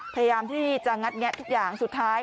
พยายามที่จะงัดแงะทุกอย่างสุดท้าย